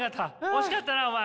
惜しかったなお前。